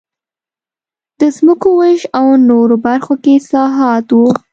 د ځمکو وېش او نورو برخو کې اصلاحات و